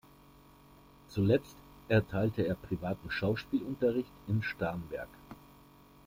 Zuletzt erteilte er privaten Schauspielunterricht in Starnberg.